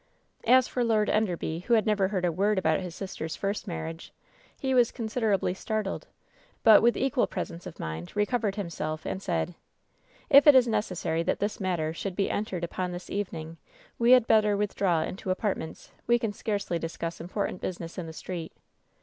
As for Lord Enderby — who had never heard a word about his sister's first marriage — he was considerably startled, but, with equal presence of mind, recovered himself, and said : "If it is necessary that this matter should be entered upon this evening, we had better withdraw into apart ments. We can scarcely discuss important business in the street."